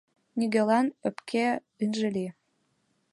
Нигӧлан ӧпке ынже лий.